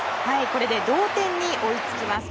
これで同点に追いつきます。